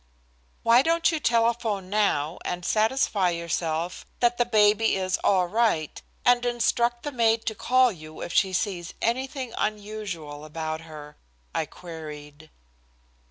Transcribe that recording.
"Why don't you telephone now and satisfy yourself that the baby is all right, and instruct the maid to call you if she sees anything unusual about her?" I queried.